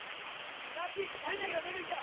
出てきた出てきた！